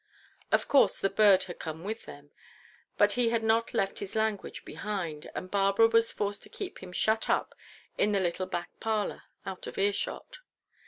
Of course the bird had come with them; but he had not left his language behind, and Barbara was forced to keep him shut up in the little back parlour, out of earshot.